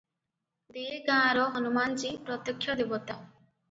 ଦେ ଗାଁର ହନୁମାନ୍ ଜୀ ପ୍ରତ୍ୟକ୍ଷ ଦେବତା ।